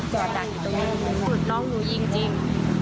อาจจะว่าน้องหนูยิงจริง